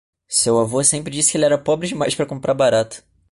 Seu avô sempre disse que ele era pobre demais para comprar barato.